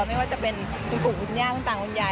ไม่ว่าจะเป็นคุณปู่คุณย่าคุณตาคุณยาย